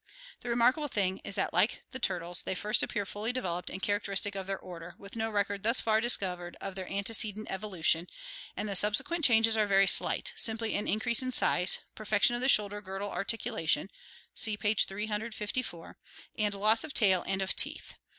The remarkable thing is that like the turtles they first appear fully developed and characteristic of their order, with no record thus far discovered of their antecedent evolution, and the subsequent changes are very slight, simply an increase in size, perfection of the shoulder girdle articulation (see page 354) and loss of tail and of teeth.